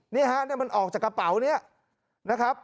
นี่ฮะมันออกจากกระเป๋านี้นะครับ